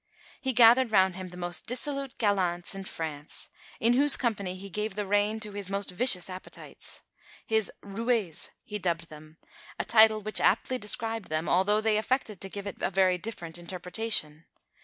He gathered round him the most dissolute gallants in France, in whose company he gave the rein to his most vicious appetites. His "roués" he dubbed them, a title which aptly described them; although they affected to give it a very different interpretation.